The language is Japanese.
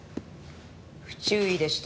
不注意でした。